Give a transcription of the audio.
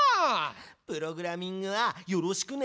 プログラミングはよろしくね！